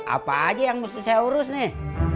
apa aja yang mesti saya urus nih